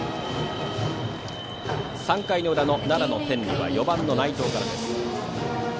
３回の裏の奈良の天理は４番の内藤からです。